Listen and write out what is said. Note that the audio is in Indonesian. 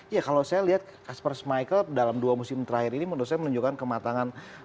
ya kalau saya lihat kasper michael dalam dua musim terakhir ini menurut saya menunjukkan kematangan